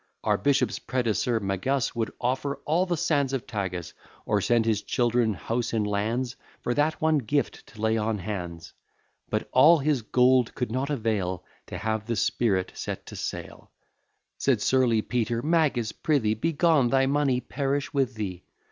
Our bishop's predecessor, Magus, Would offer all the sands of Tagus; Or sell his children, house, and lands, For that one gift, to lay on hands: But all his gold could not avail To have the spirit set to sale. Said surly Peter, "Magus, prithee, Be gone: thy money perish with thee."